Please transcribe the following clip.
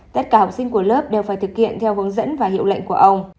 tất cả học sinh của lớp đều phải thực hiện theo hướng dẫn và hiệu lệnh của ông